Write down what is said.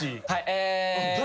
え。